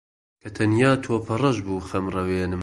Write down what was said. کە تەنیا تۆپەڕەش بوو خەمڕەوێنم